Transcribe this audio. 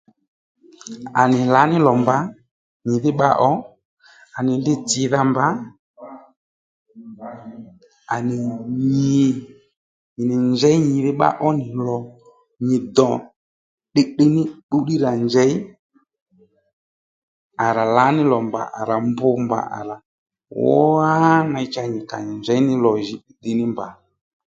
À nì lǎní lò mba nyidhí bba ò à nì ddiy dzìdha mba à nì nyì nyì nì njey nyìdhí bba ó nì lò nyì dò tdiytdiy ní bbúw ddí rà njèy à rà lǎní lò mbà à rà mb mbà à rà wá ney cha nyì kà nyì njěy ní lò jì tdiytdiy ní nì mbà